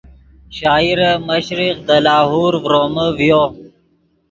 شاعر مشرق دے لاہور ڤرومے ڤیو